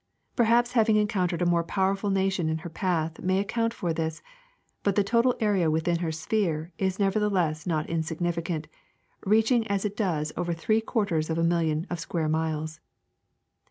Perhaps hav ing encountered a more powerful nation in her path may account for this, but the total area within her " sphere " is nevertheless not insignificant, reaching as it does over three quarters of a million of square miles.